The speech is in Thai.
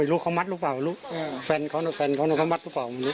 ไม่รู้เขามัดหรือเปล่ารู้อ่าแฟนเขาเนอะแฟนเขาเนอะเขามัดหรือเปล่าไม่รู้